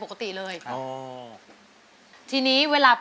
สวัสดีครับ